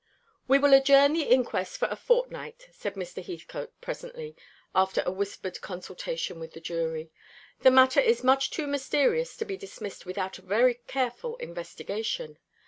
"We will adjourn the inquest for a fortnight," said Mr. Heathcote presently, after a whispered consultation with the jury. "The matter is much too mysterious to be dismissed without a very careful investigation.